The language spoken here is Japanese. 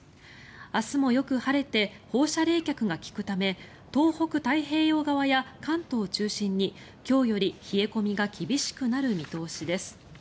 明日もよく晴れて放射冷却が利くため東北太平洋側や関東中心に今日より冷え込みが厳しくなる見通しです。